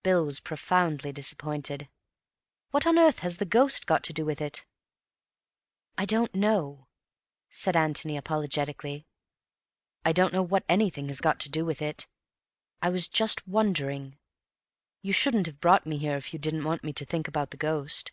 _" Bill was profoundly disappointed. "What on earth has the ghost got to do with it?" "I don't know," said Antony apologetically. "I don't know what anything has got to do with it. I was just wondering. You shouldn't have brought me here if you hadn't wanted me to think about the ghost.